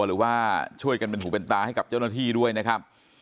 หรือว่าช่วยกันเป็นหูเป็นตาให้กับเจ้าหน้าที่ด้วยนะครับ